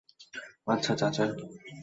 আচ্ছা, চাচা।